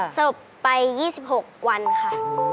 ศพไป๒๖วันค่ะ